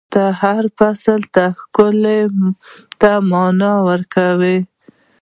• ته د هر فصل ښکلا ته معنا ورکوې.